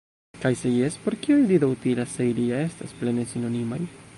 Kaj se jes, por kio ili do utilas, se ili ja estas plene sinonimaj?